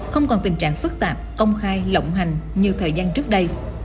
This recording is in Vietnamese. không còn tình trạng phức tạp công khai lộng hành như thời gian trước đây